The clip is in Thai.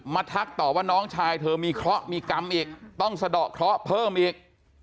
ทักต่อว่าน้องชายเธอมีเคราะห์มีกรรมอีกต้องสะดอกเคราะห์เพิ่มอีก